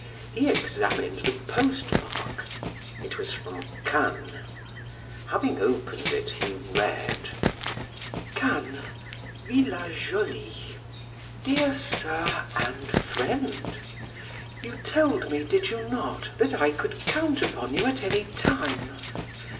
He examined the postmark; it was from Cannes. Having opened it, he read: "Cannes, Villa Jolie." "Dear sir and friend: You told me, did you not, that I could count upon you at any time?